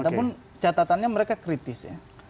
namun catatannya mereka kritis ya